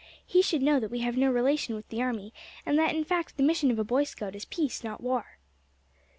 He should know that we have no relation with the army, and that in fact the mission of a Boy Scout is peace, not war."